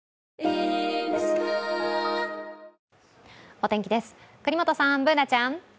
お天気です、國本さんＢｏｏｎａちゃん